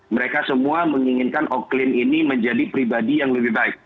mereka semua menginginkan oklin ini menjadi pribadi yang lebih baik